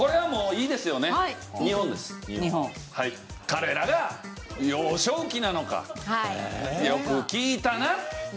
彼らが幼少期なのかよく聴いたな。